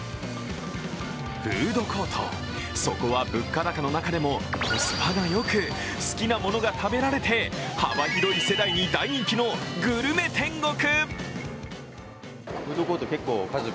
フードコート、そこは物価高の中でもコスパがよく、好きなものが食べられて、幅広い世代に大人気のグルメ天国。